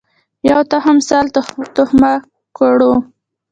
یو تخم سل تخمه کړو.